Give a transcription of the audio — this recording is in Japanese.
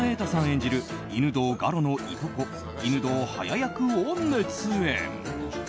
演じる犬堂我路のいとこ犬堂ハヤ役を熱演。